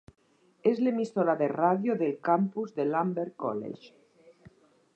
És l'emissora de ràdio del campus del Humber College.